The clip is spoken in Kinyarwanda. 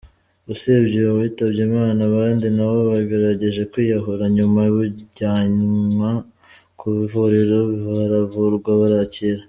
Usibye uyu witabye Imana abandi nabo bagerageje kwiyahura nyuma bajyanwa ku ivuriro baravurwa barakira.